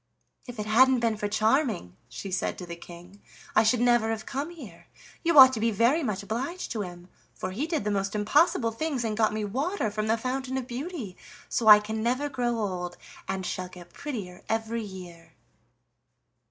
"If it hadn't been for Charming," she said to the King, "I should never have come here; you ought to be very much obliged to him, for he did the most impossible things and got me water from the Fountain of Beauty, so I can never grow old, and shall get prettier every year."